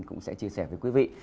cũng sẽ chia sẻ với quý vị